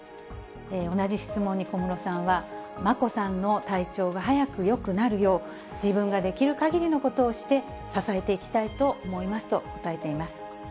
同じ質問に小室さんは、眞子さんの体調が早くよくなるよう、自分ができるかぎりのことをして支えていきたいと思いますと答えています。